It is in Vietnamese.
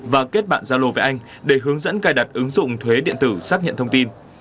và kết bạn gia lô với anh để hướng dẫn cài đặt ứng dụng thuế điện tử xác nhận thông tin